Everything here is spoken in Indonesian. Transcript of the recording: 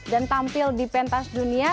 dan tampil di pentas dunia